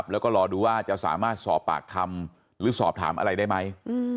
แล้วก็รอดูว่าจะสามารถสอบปากคำหรือสอบถามอะไรได้ไหม